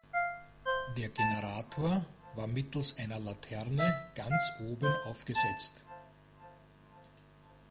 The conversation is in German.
Der Generator war mittels einer Laterne ganz oben aufgesetzt.